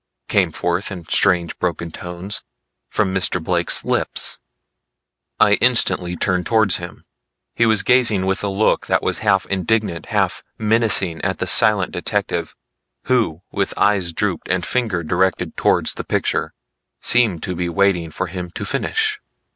came forth in strange broken tones from Mr. Blake's lips. I instantly turned towards him. He was gazing with a look that was half indignant, half menacing at the silent detective who with eyes drooped and finger directed towards the picture, seemed to be waiting for him to finish.